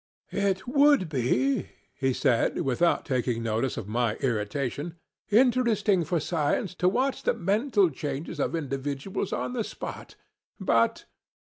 'It would be,' he said, without taking notice of my irritation, 'interesting for science to watch the mental changes of individuals, on the spot, but